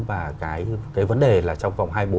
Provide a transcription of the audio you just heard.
và cái vấn đề là trong vòng hai mươi bốn